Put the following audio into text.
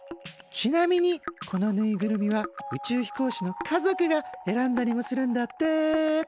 ちなみにこのぬいぐるみは宇宙飛行士の家族が選んだりもするんだって。